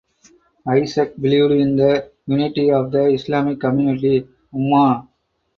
Ishaq believed in the unity of the Islamic community (Ummah).